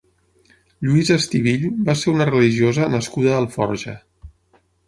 Lluïsa Estivill va ser una religiosa nascuda a Alforja.